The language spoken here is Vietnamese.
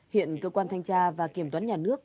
hiện cơ quan thanh tra và kiểm toán nhà nước